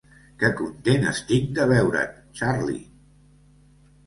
Que content estic de veure't, Charley!